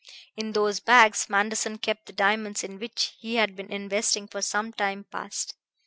In those bags Manderson kept the diamonds in which he had been investing for some time past.